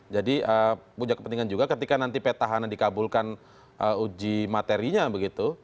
jadi punya kepentingan juga ketika nanti petahana dikabulkan uji materinya begitu